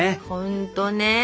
ほんとね。